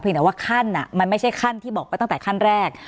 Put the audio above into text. แต่ว่าขั้นมันไม่ใช่ขั้นที่บอกไปตั้งแต่ขั้นแรก